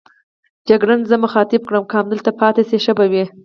جګړن زه مخاطب کړم: که همدلته پاتې شئ ښه به وي.